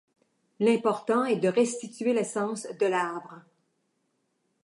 L'important est de restituer l'essence de l'arbre.